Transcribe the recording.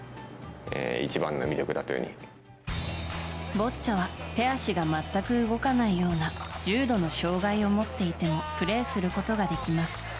ボッチャは手足が全く動かないような重度な障害を持っていてもプレーすることができます。